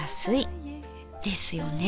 ですよね？